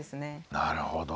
なるほど。